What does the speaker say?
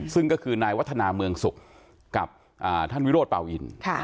ซึ่งก็คือนายวัฒนาเมืองสุขกับท่านวิโรธปาอิน